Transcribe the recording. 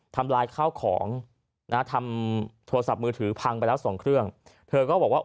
ทำลายข้าวของนะทำโทรศัพท์มือถือพังไปแล้วสองเครื่องเธอก็บอกว่า